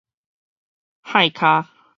幌跤